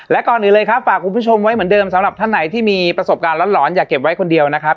และก่อนอื่นเลยครับฝากคุณผู้ชมไว้เหมือนเดิมสำหรับท่านไหนที่มีประสบการณ์หลอนอย่าเก็บไว้คนเดียวนะครับ